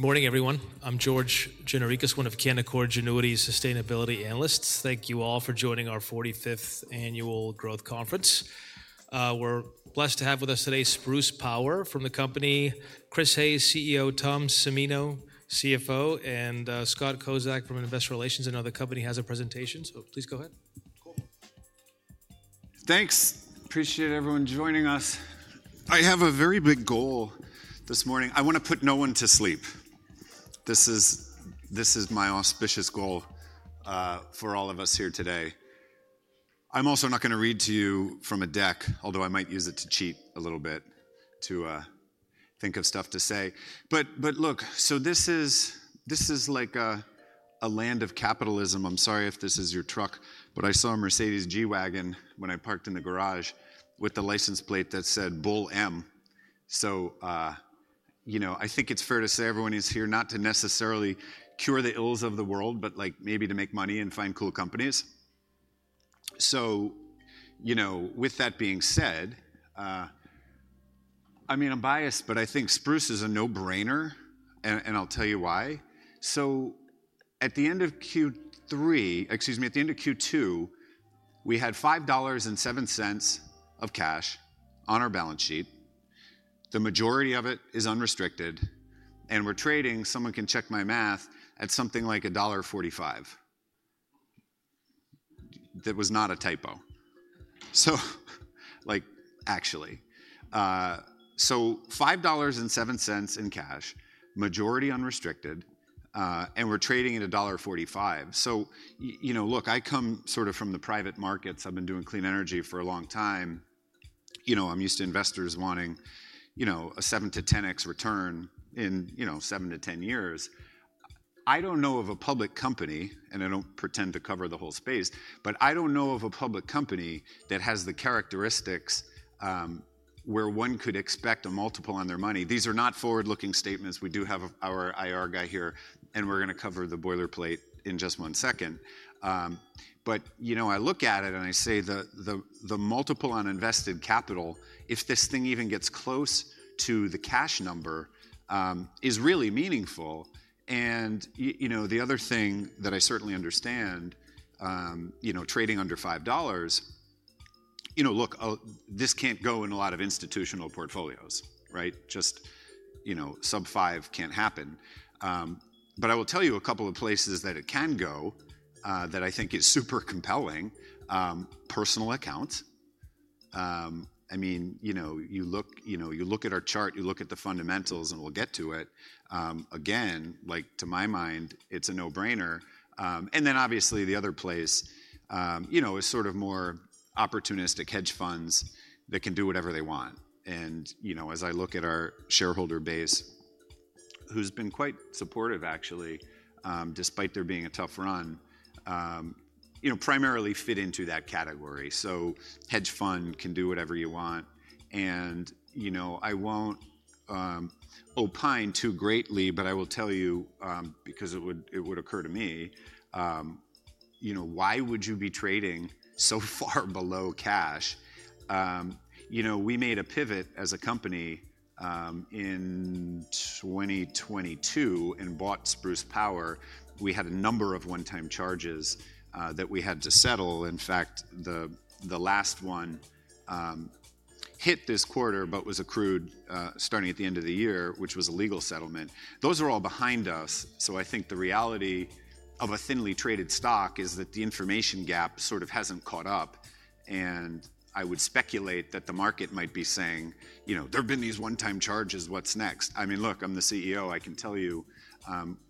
Good morning, everyone. I'm George Gianarikas, one of Canaccord's annuity sustainability analysts. Thank you all for joining our 45th Annual Growth Conference. We're blessed to have with us today Spruce Power, from the company, Chris Hayes, CEO, Tom Cimino, CFO, and Scott Kozak from Investor Relations. I know the company has a presentation, so please go ahead. Thanks. Appreciate everyone joining us. I have a very big goal this morning. I want to put no one to sleep. This is my auspicious goal for all of us here today. I'm also not going to read to you from a deck, although I might use it to cheat a little bit to think of stuff to say. Look, this is like a land of capitalism. I'm sorry if this is your truck, but I saw a Mercedes G-Wagon when I parked in the garage with the license plate that said Bull M. I think it's fair to say everyone is here not to necessarily cure the ills of the world, but maybe to make money and find cool companies. With that being said, I mean, I'm biased, but I think Spruce is a no-brainer, and I'll tell you why. At the end of Q3, excuse me, at the end of Q2, we had $5.07 of cash on our balance sheet. The majority of it is unrestricted, and we're trading, someone can check my math, at something like $1.45. That was not a typo. So, actually, $5.07 in cash, majority unrestricted, and we're trading at $1.45. I come sort of from the private markets. I've been doing clean energy for a long time. I'm used to investors wanting a 7x-10x return in seven to 10 years. I don't know of a public company, and I don't pretend to cover the whole space, but I don't know of a public company that has the characteristics where one could expect a multiple on their money. These are not forward-looking statements. We do have our IR guy here, and we're going to cover the boilerplate in just one second. I look at it and I say the multiple on invested capital, if this thing even gets close to the cash number, is really meaningful. The other thing that I certainly understand, trading under $5, this can't go in a lot of institutional portfolios, right? Just sub-$5 can't happen. I will tell you a couple of places that it can go that I think is super compelling. Personal accounts. I mean, you look at our chart, you look at the fundamentals, and we'll get to it. Again, to my mind, it's a no-brainer. Obviously, the other place is sort of more opportunistic hedge funds that can do whatever they want. As I look at our shareholder base, who's been quite supportive, actually, despite there being a tough run, primarily fit into that category. A hedge fund can do whatever you want. I won't opine too greatly, but I will tell you, because it would occur to me, why would you be trading so far below cash? We made a pivot as a company in 2022 and bought Spruce Power. We had a number of one-time charges that we had to settle. In fact, the last one hit this quarter but was accrued starting at the end of the year, which was a legal settlement. Those are all behind us. I think the reality of a thinly-traded stock is that the information gap sort of hasn't caught up. I would speculate that the market might be saying there have been these one-time charges. What's next? I mean, look, I'm the CEO. I can tell you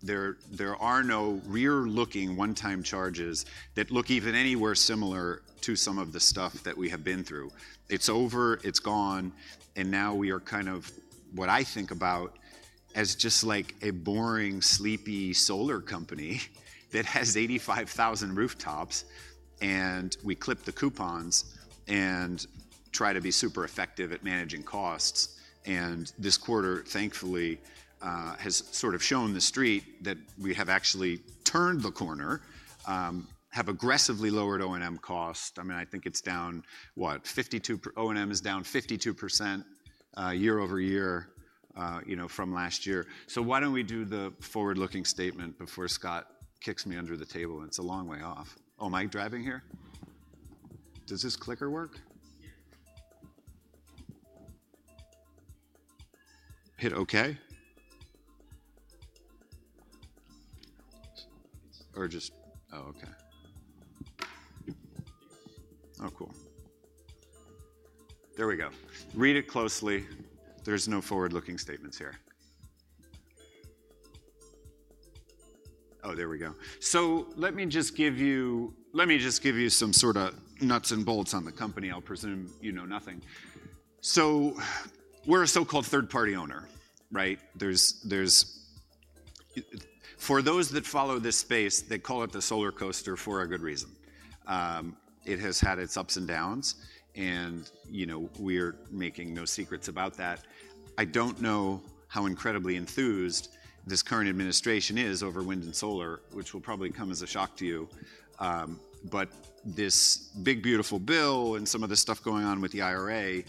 there are no rear-looking one-time charges that look even anywhere similar to some of the stuff that we have been through. It's over, it's gone, and now we are kind of what I think about as just like a boring, sleepy solar company that has 85,000 rooftops, and we clip the coupons and try to be super effective at managing costs. This quarter, thankfully, has sort of shown the street that we have actually turned the corner, have aggressively lowered O&M cost. I mean, I think it's down, what, 52%? O&M is down 52% year-over-year from last year. Why don't we do the forward-looking statement before Scott kicks me under the table? It's a long way off. Oh, am I driving here? Does this clicker work? Hit OK? Or just, oh, OK. Oh, cool. There we go. Read it closely. There's no forward-looking statements here. There we go. Let me just give you some sort of nuts and bolts on the company. I'll presume you know nothing. We're a so-called third-party owner, right? For those that follow this space, they call it the solar coaster for a good reason. It has had its ups and downs, and we are making no secrets about that. I don't know how incredibly enthused this current administration is over wind and solar, which will probably come as a shock to you. This Big Beautiful Bill and some of the stuff going on with the IRA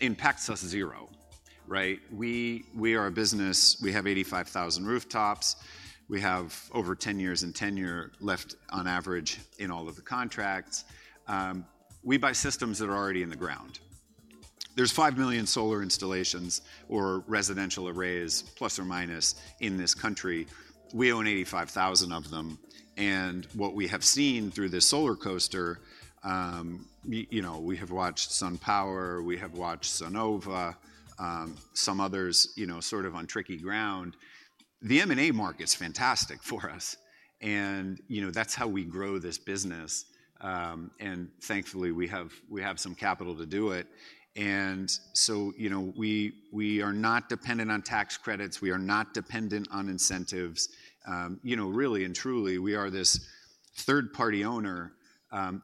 impacts us zero, right? We are a business. We have 85,000 rooftops. We have over 10 years in tenure left on average in all of the contracts. We buy systems that are already in the ground. There are 5 million± solar installations or residential arrays in this country. We own 85,000 of them. What we have seen through this solar coaster, we have watched SunPower, we have watched Sunnova, some others, sort of on tricky ground. The M&A market's fantastic for us. That's how we grow this business. Thankfully, we have some capital to do it. We are not dependent on tax credits. We are not dependent on incentives. Really and truly, we are this third-party owner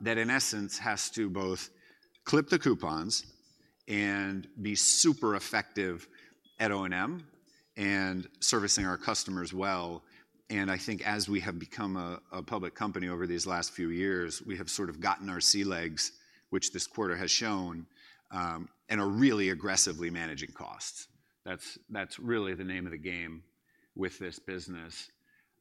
that, in essence, has to both clip the coupons and be super effective at O&M and servicing our customers well. I think as we have become a public company over these last few years, we have sort of gotten our sea legs, which this quarter has shown, and are really aggressively managing costs. That's really the name of the game with this business.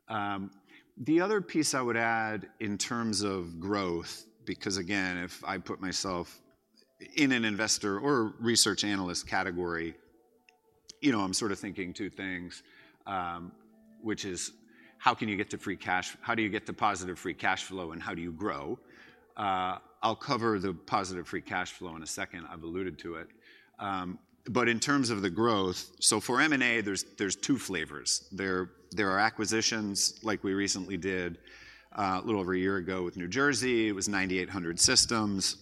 The other piece I would add in terms of growth, because again, if I put myself in an investor or research analyst category, I'm sort of thinking two things, which is how can you get to free cash, how do you get to positive free cash flow, and how do you grow. I'll cover the positive free cash flow in a second. I've alluded to it. In terms of the growth, for M&A, there's two flavors. There are acquisitions like we recently did a little over a year ago with New Jersey. It was 9,800 systems.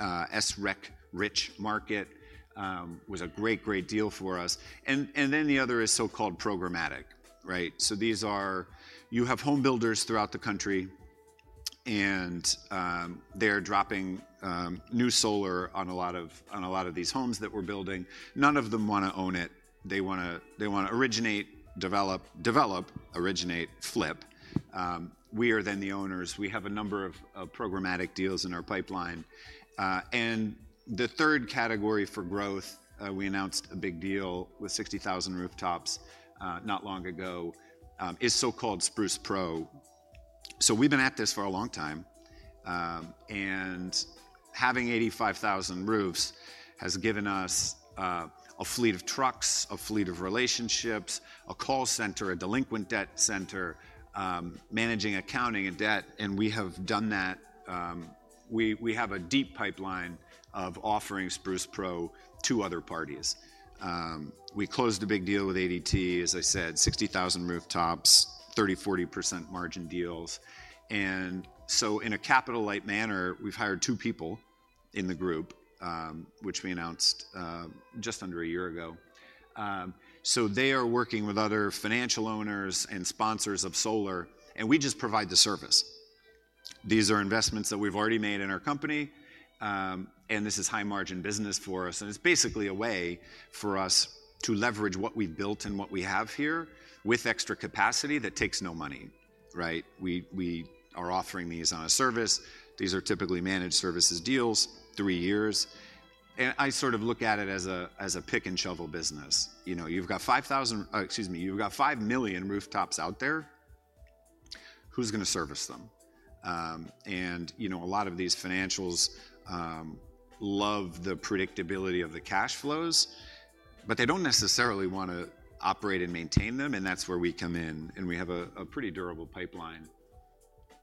SREC-rich market was a great, great deal for us. The other is so-called programmatic, right? You have homebuilders throughout the country, and they're dropping new solar on a lot of these homes that we're building. None of them want to own it. They want to originate, develop, develop, originate, flip. We are then the owners. We have a number of programmatic deals in our pipeline. The third category for growth, we announced a big deal with 60,000 rooftops not long ago, is so-called Spruce PRO. We have been at this for a long time. Having 85,000 roofs has given us a fleet of trucks, a fleet of relationships, a call center, a delinquent debt center, managing accounting and debt. We have done that. We have a deep pipeline of offering Spruce PRO to other parties. We closed a big deal with ADT Solar, as I said, 60,000 rooftops, 30%, 40% margin deals. In a capital-light manner, we've hired two people in the group, which we announced just under a year ago. They are working with other financial owners and sponsors of solar, and we just provide the service. These are investments that we've already made in our company, and this is high-margin business for us. It's basically a way for us to leverage what we built and what we have here with extra capacity that takes no money, right? We are offering these on a service. These are typically managed-services deals, three years. I sort of look at it as a pick-and-shovel business. You know, you've got 5,000, excuse me, you've got 5 million rooftops out there. Who's going to service them? A lot of these financials love the predictability of the cash flows, but they don't necessarily want to operate and maintain them. That's where we come in. We have a pretty durable pipeline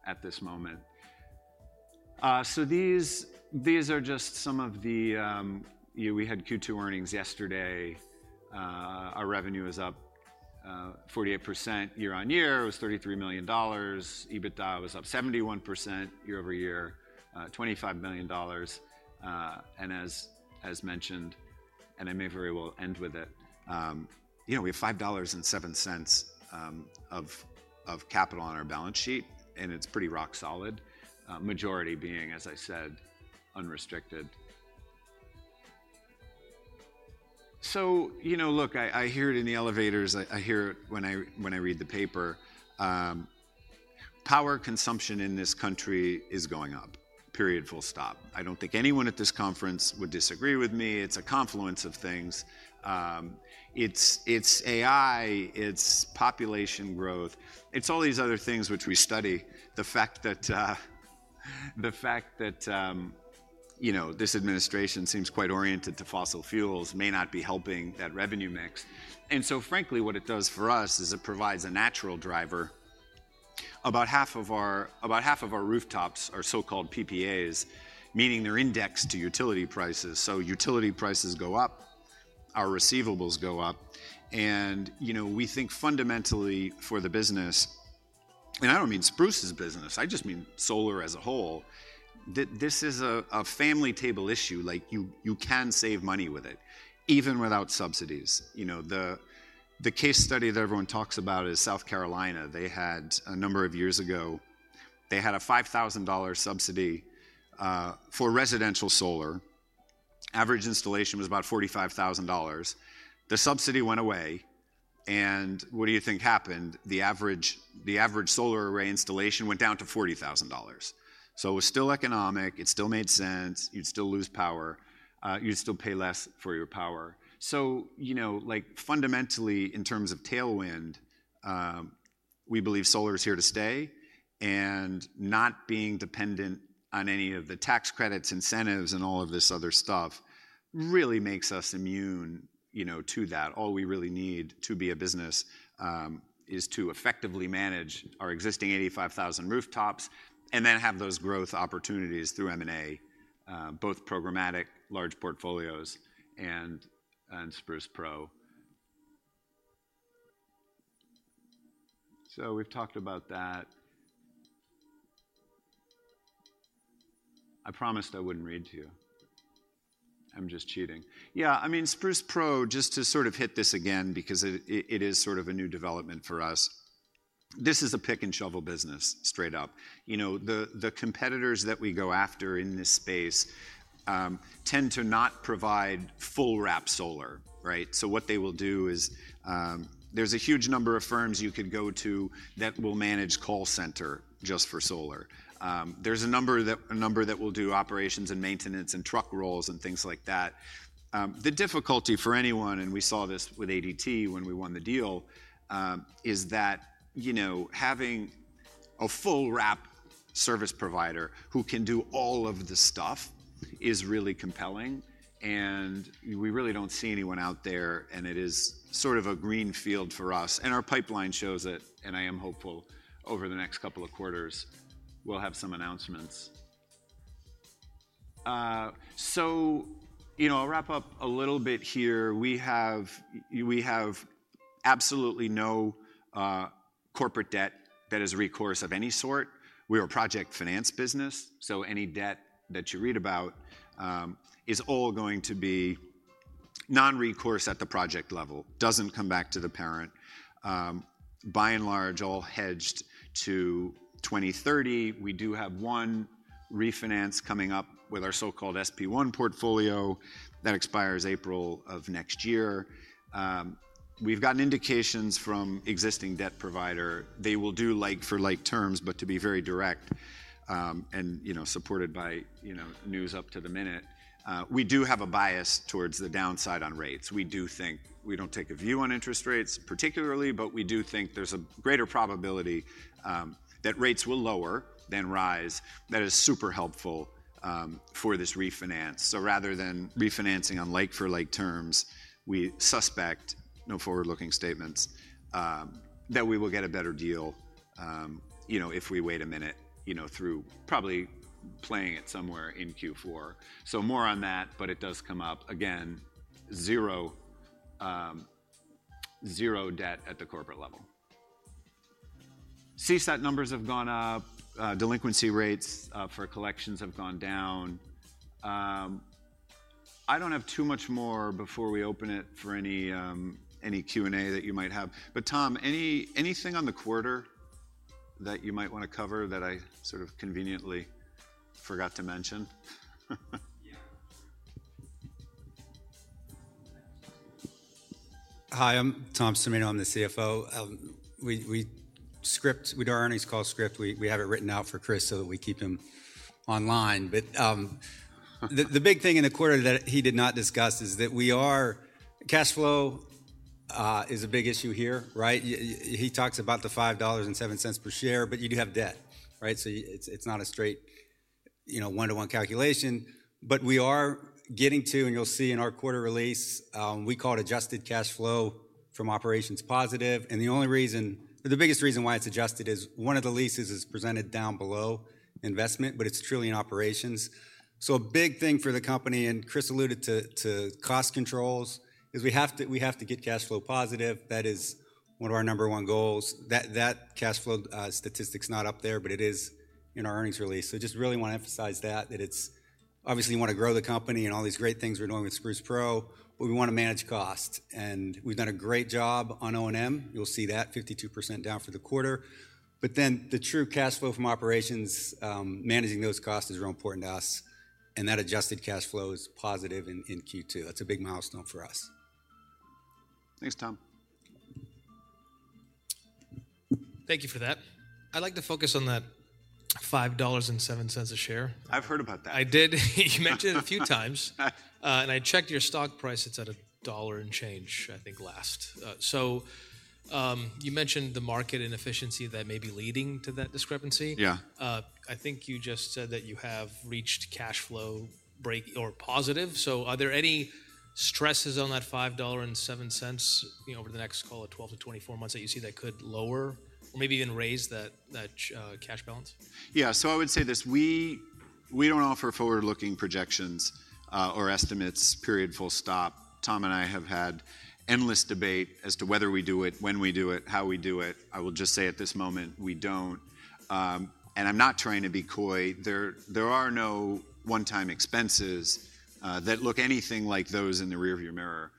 at this moment. These are just some of the, you know, we had Q2 earnings yesterday. Our revenue is up 48% year-on-year. It was $33 million. EBITDA was up 71% year-over-year, $25 million. As mentioned, and I may very well end with it, you know, we have $5.07 of capital on our balance sheet, and it's pretty rock solid, majority being, as I said, unrestricted. Look, I hear it in the elevators. I hear it when I read the paper. Power consumption in this country is going up. Period. Full stop. I don't think anyone at this conference would disagree with me. It's a confluence of things. It's AI. It's population growth. It's all these other things which we study. The fact that, you know, this administration seems quite oriented to fossil fuels may not be helping that revenue mix. Frankly, what it does for us is it provides a natural driver. About half of our rooftops are so-called PPAs, meaning they're indexed to utility prices. Utility prices go up, our receivables go up. We think fundamentally for the business, and I don't mean Spruce's business, I just mean solar as a whole, that this is a family table issue. Like, you can save money with it, even without subsidies. The case study that everyone talks about is South Carolina. They had a number of years ago, they had a $5,000 subsidy for residential solar. Average installation was about $45,000. The subsidy went away. What do you think happened? The average solar array installation went down to $40,000. It was still economic. It still made sense. You'd still lose power. You'd still pay less for your power. Fundamentally, in terms of tailwind, we believe solar is here to stay. Not being dependent on any of the tax credits, incentives, and all of this other stuff really makes us immune to that. All we really need to be a business is to effectively manage our existing 85,000 rooftops and then have those growth opportunities through M&A, both programmatic, large portfolios, and Spruce PRO. We've talked about that. I promised I wouldn't read to you. I'm just cheating. Spruce PRO, just to sort of hit this again, because it is sort of a new development for us. This is a pick-and-shovel business, straight up. The competitors that we go after in this space tend to not provide full wrap solar, right? What they will do is there's a huge number of firms you could go to that will manage call center just for solar. There's a number that will do operations and maintenance and truck rolls and things like that. The difficulty for anyone, and we saw this with ADT when we won the deal, is that having a full wrap service provider who can do all of the stuff is really compelling. We really don't see anyone out there. It is sort of a green field for us. Our pipeline shows it. I am hopeful over the next couple of quarters, we'll have some announcements. I'll wrap up a little bit here. We have absolutely no corporate debt that is recourse of any sort. We are a project finance business. Any debt that you read about is all going to be non-recourse at the project level. Doesn't come back to the parent. By and large, all hedged to 2030. We do have one refinance coming up with our so-called SP1 portfolio that expires April of next year. We've gotten indications from an existing debt provider. They will do like-for-like terms, but to be very direct and supported by news up to the minute, we do have a bias towards the downside on rates. We do think we don't take a view on interest rates particularly, but we do think there's a greater probability that rates will lower than rise. That is super helpful for this refinance. Rather than refinancing on like-for-like terms, we suspect, no forward-looking statements, that we will get a better deal if we wait a minute, probably playing it somewhere in Q4. More on that, but it does come up again. Zero debt at the corporate level. CSAT numbers have gone up. Delinquency rates for collections have gone down. I don't have too much more before we open it for any Q&A that you might have. Tom, anything on the quarter that you might want to cover that I sort of conveniently forgot to mention? Yeah. Hi, I'm Tom Cimino. I'm the CFO. We script, we don't always call script. We have it written out for Chris so that we keep him online. The big thing in the quarter that he did not discuss is that we are, cash flow is a big issue here, right? He talks about the $5.07 per share, but you do have debt, right? It's not a straight, you know, one-to-one calculation. We are getting to, and you'll see in our quarter release, we call it adjusted cash flow from operations positive. The only reason, the biggest reason why it's adjusted is one of the leases is presented down below investment, but it's truly in operations. A big thing for the company, and Chris alluded to cost controls, is we have to get cash flow positive. That is one of our number one goals. That cash flow statistic's not up there, but it is in our earnings release. I just really want to emphasize that, that it's obviously you want to grow the company and all these great things we're doing with Spruce PRO, but we want to manage costs. We've done a great job on O&M. You'll see that 52% down for the quarter. The true cash flow from operations, managing those costs is real important to us. That adjusted cash flow is positive in Q2. That's a big milestone for us. Thanks, Tom. Thank you for that. I'd like to focus on that $5.07 a share. I've heard about that. I did. You mentioned it a few times. I checked your stock price. It's at $1 and change, I think, last. You mentioned the market inefficiency that may be leading to that discrepancy. Yeah. I think you just said that you have reached cash flow break or positive. Are there any stresses on that $5.07 over the next, call it, 12-24 months that you see that could lower or maybe even raise that cash balance? Yeah, I would say this. We don't offer forward-looking projections or estimates. Period. Full stop. Tom and I have had endless debate as to whether we do it, when we do it, how we do it. I will just say at this moment, we don't. I'm not trying to be coy. There are no one-time expenses that look anything like those in the rearview mirror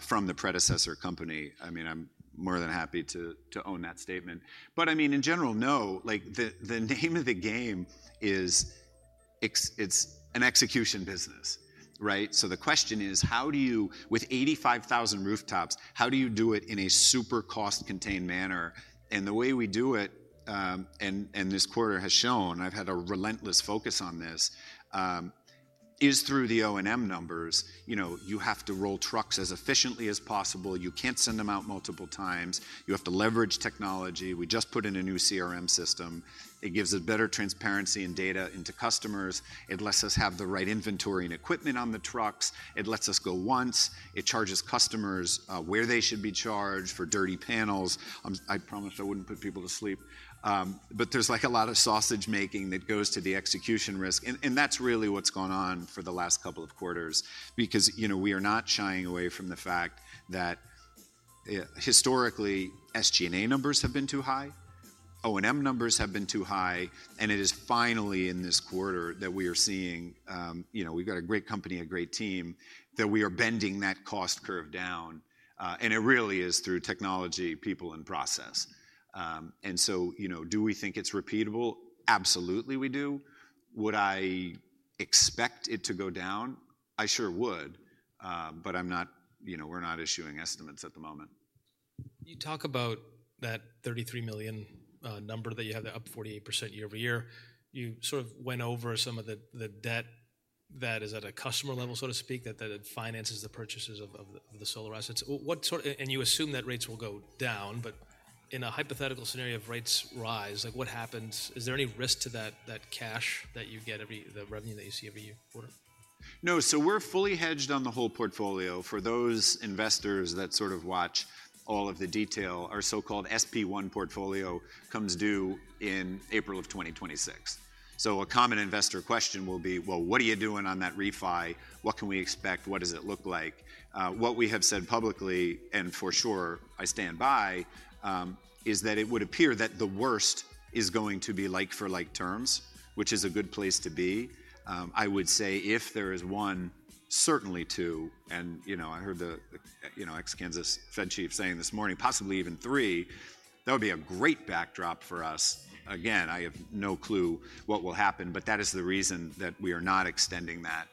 from the predecessor company. I'm more than happy to own that statement. In general, no, the name of the game is it's an execution business, right? The question is, how do you, with 85,000 rooftops, do it in a super cost-contained manner? The way we do it, and this quarter has shown, I've had a relentless focus on this, is through the O&M numbers. You have to roll trucks as efficiently as possible. You can't send them out multiple times. You have to leverage technology. We just put in a new CRM system. It gives us better transparency and data into customers. It lets us have the right inventory and equipment on the trucks. It lets us go once. It charges customers where they should be charged for dirty panels. I promised I wouldn't put people to sleep. There's a lot of sausage making that goes to the execution risk. That's really what's gone on for the last couple of quarters, because we are not shying away from the fact that historically, SG&A numbers have been too high. O&M numbers have been too high. It is finally in this quarter that we are seeing we've got a great company, a great team, that we are bending that cost curve down. It really is through technology, people, and process. Do we think it's repeatable? Absolutely, we do. Would I expect it to go down? I sure would. I'm not, we're not issuing estimates at the moment. You talk about that $33 million number that you have, that up 48% year-over-year. You sort of went over some of the debt that is at a customer level, so to speak, that finances the purchases of the solar assets. What sort of, and you assume that rates will go down, but in a hypothetical scenario, if rates rise, like what happens? Is there any risk to that cash that you get every, the revenue that you see every quarter? No, so we're fully hedged on the whole portfolio. For those investors that sort of watch all of the detail, our so-called SP1 portfolio comes due in April of 2026. A common investor question will be, what are you doing on that refi? What can we expect? What does it look like? What we have said publicly, and for sure, I stand by, is that it would appear that the worst is going to be like-for-like terms, which is a good place to be. I would say if there is one, certainly two, and you know, I heard the ex-Kansas Fed chief saying this morning, possibly even three, that would be a great backdrop for us. I have no clue what will happen, but that is the reason that we are not extending that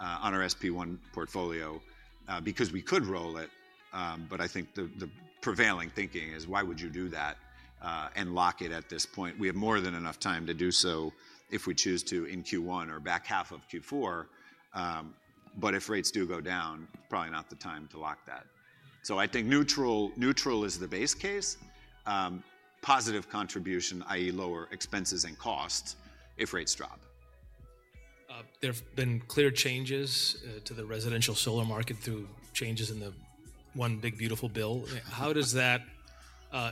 on our SP1 portfolio, because we could roll it. I think the prevailing thinking is, why would you do that and lock it at this point? We have more than enough time to do so if we choose to in Q1 or back half of Q4. If rates do go down, probably not the time to lock that. I think neutral is the base case. Positive contribution, i.e., lower expenses and costs if rates drop. There have been clear changes to the residential-solar market through changes in the one Big Beautiful Bill. How does that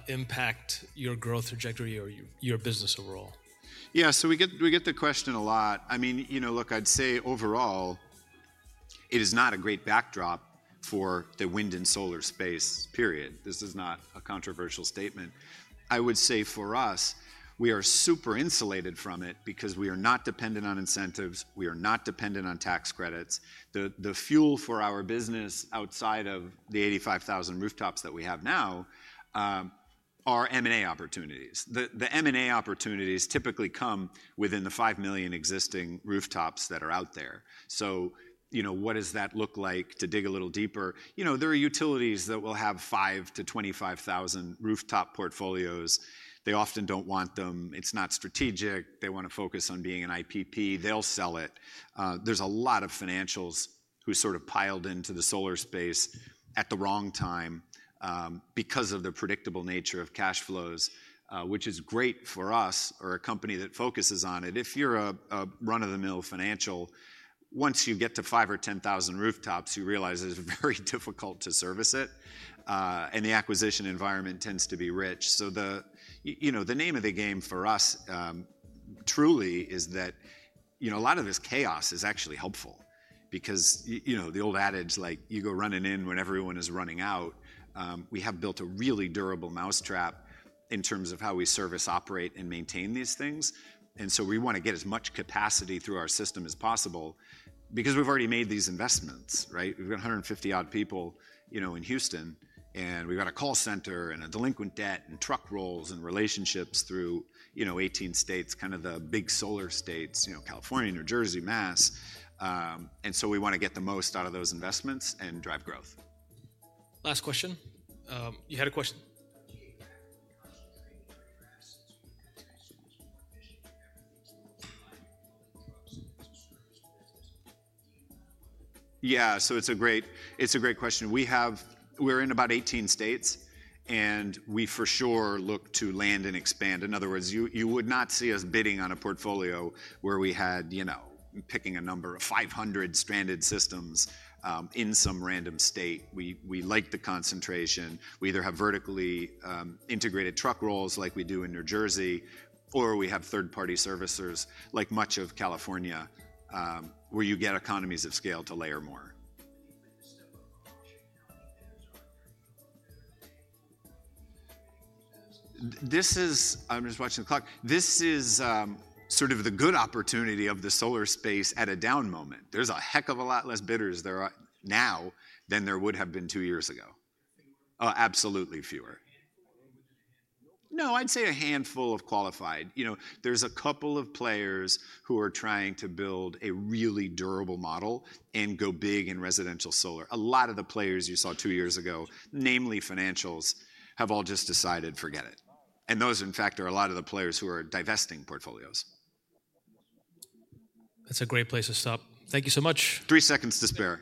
impact your growth trajectory or your business overall? Yeah, so we get the question a lot. I mean, look, I'd say overall, it is not a great backdrop for the wind and solar space, period. This is not a controversial statement. I would say for us, we are super insulated from it because we are not dependent on incentives. We are not dependent on tax credits. The fuel for our business outside of the 85,000 rooftops that we have now are M&A opportunities. The M&A opportunities typically come within the 5 million existing rooftops that are out there. What does that look like to dig a little deeper? There are utilities that will have 5,000-25,000 rooftop portfolios. They often don't want them. It's not strategic. They want to focus on being an IPP. They'll sell it. There's a lot of financials who sort of piled into the solar space at the wrong time because of the predictable nature of cash flows, which is great for us or a company that focuses on it. If you're a run-of-the-mill financial, once you get to 5,000 or 10,000 rooftops, you realize it's very difficult to service it. The acquisition environment tends to be rich. The name of the game for us truly is that a lot of this chaos is actually helpful because, you know, the old adage, like you go running in when everyone is running out. We have built a really durable mousetrap in terms of how we service, operate, and maintain these things. We want to get as much capacity through our system as possible because we've already made these investments, right? We've got 150-odd people in Houston, and we've got a call center and a delinquent debt and truck rolls and relationships through 18 states, kind of the big solar states, California, New Jersey, Mass. We want to get the most out of those investments and drive growth. Last question. You had a question. Yeah, it's a great question. We're in about 18 states, and we for sure look to land and expand. In other words, you would not see us bidding on a portfolio where we had, you know, picking a number of 500 stranded systems in some random state. We like the concentration. We either have vertically integrated truck rolls like we do in New Jersey, or we have third-party servicers like much of California, where you get economies of scale to layer more. I'm just watching the clock. This is sort of the good opportunity of the solar space at a down moment. There's a heck of a lot less bidders there now than there would have been two years ago. Absolutely fewer. I'd say a handful of qualified. There's a couple of players who are trying to build a really durable model and go big in residential solar. A lot of the players you saw two years ago, namely financials, have all just decided, forget it. Those, in fact, are a lot of the players who are divesting portfolios. That's a great place to stop. Thank you so much. Three seconds to spare.